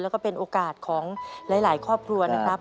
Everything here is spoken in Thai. แล้วก็เป็นโอกาสของหลายครอบครัวนะครับ